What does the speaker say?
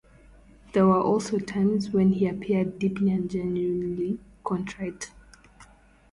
There were also times when he appeared deeply and genuinely contrite.